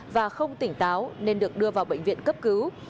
và không tỉnh táo nên được đưa vào bệnh viện cấp cứu